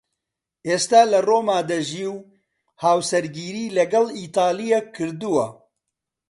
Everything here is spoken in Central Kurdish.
ئێستا لە ڕۆما دەژی و هاوسەرگیریی لەگەڵ ئیتاڵییەک کردووە.